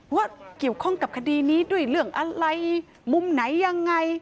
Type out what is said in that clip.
ว่าเกี่ยวข้องกับคดีนี้ด้วยเรื่องอะไรมุมไหนยังไง